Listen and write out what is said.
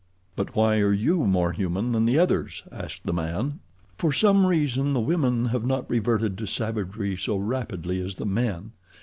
"But why are you more human than the others?" asked the man. "For some reason the women have not reverted to savagery so rapidly as the men.